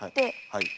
はい。